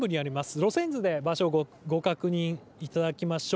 路線図で場所をご確認いただきましょう。